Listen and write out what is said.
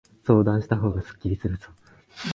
相談したほうがすっきりするぞ。